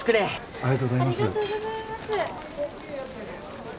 ありがとうございます。